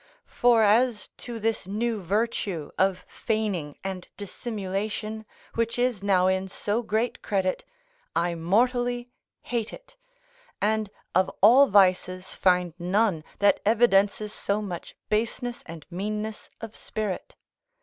For as to this new virtue of feigning and dissimulation, which is now in so great credit, I mortally hate it; and of all vices find none that evidences so much baseness and meanness of spirit.